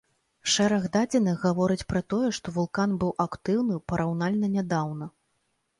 Шэраг дадзеных гавораць пра тое, што вулкан быў актыўны параўнальна нядаўна.